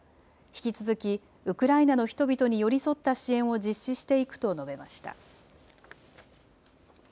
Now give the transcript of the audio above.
引き続きウクライナの人々に寄り添った支援を実施していくと述べました。